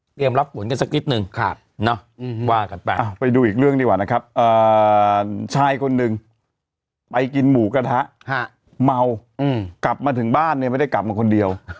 รับฝนกันสักนิดนึงว่ากันไปไปดูอีกเรื่องดีกว่านะครับชายคนหนึ่งไปกินหมูกระทะเมากลับมาถึงบ้านเนี่ยไม่ได้กลับมาคนเดียว